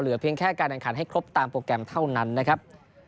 เพียงแค่การแข่งขันให้ครบตามโปรแกรมเท่านั้นนะครับ